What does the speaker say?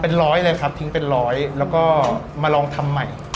เป็นร้อยเลยครับทิ้งเป็นร้อยแล้วก็มาลองทำใหม่